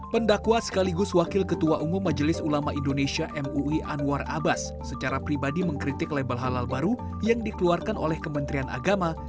pendakwa sekaligus wakil ketua umum majelis ulama indonesia mui anwar abbas secara pribadi mengkritik label halal baru yang dikeluarkan oleh kementerian agama